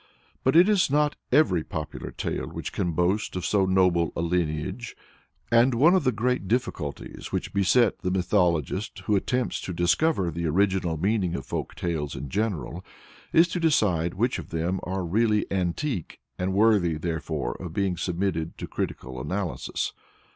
But it is not every popular tale which can boast of so noble a lineage, and one of the great difficulties which beset the mythologist who attempts to discover the original meaning of folk tales in general is to decide which of them are really antique, and worthy, therefore, of being submitted to critical analysis.